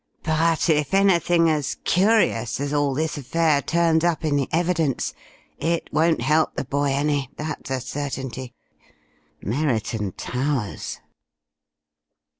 "But if anything as curious as all this affair turns up in the evidence it won't help the boy any, that is a certainty.... Merriton Towers!"